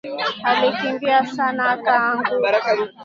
Alikimbia sana akaanguka